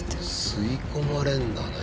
吸い込まれるんだね。